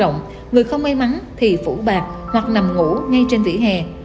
người không may mắn thì phủ bạc hoặc nằm ngủ ngay trên vỉa hè